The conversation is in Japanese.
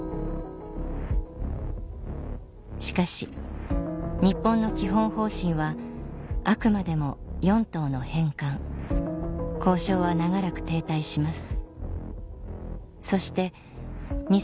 しかし日本の基本方針はあくまでも４島の返還交渉は長らく停滞します